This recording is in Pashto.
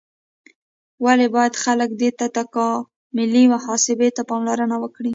ولې باید خلک دې تکاملي محاسبې ته پاملرنه وکړي؟